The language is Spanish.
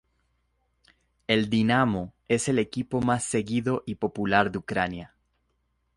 El Dinamo es el equipo más seguido y popular de Ucrania.